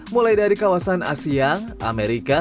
mulai dari kawasan asia amerika